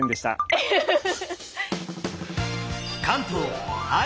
ウフフフフ！